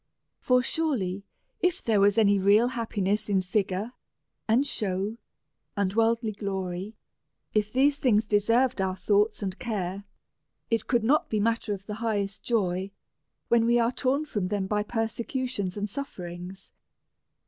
For surely, if there was any real happiness in figure and show, and worldly glory ; if these things deserved our tlioughts and care, it could not be a mat ter of the highest joy, when we are torn from them by persecutions and sufferings?